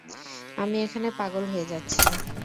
আমি এখানে পাগল হয়ে যাচ্ছি।